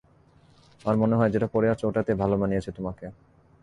আমার মনে হয় যেটা পরে আছো ওটাতেই ভালো মানিয়েছে তোমাকে।